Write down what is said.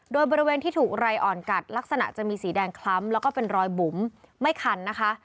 โดยบริเวณที่ถูกไรอ่อนกัดลักษณะจะมีสีแดงคล้ำแล้วก็เป็นรอยบุ๋มไม่คันนะคะ